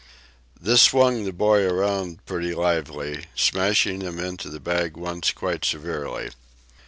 This swung the boy around pretty lively, smashing him into the bag once quite severely.